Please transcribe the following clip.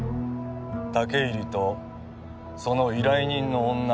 武入とその依頼人の女